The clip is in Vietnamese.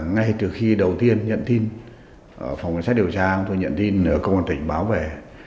ngay từ khi đầu tiên nhận tin phòng cảnh sát điều tra tôi nhận tin công an tỉnh báo về